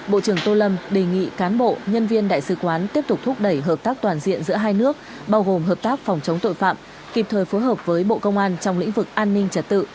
bộ trưởng tô lâm đề nghị cán bộ nhân viên đại sứ quán tiếp tục thúc đẩy hợp tác toàn diện giữa hai nước bao gồm hợp tác phòng chống tội phạm kịp thời phối hợp với bộ công an trong lĩnh vực an ninh trật tự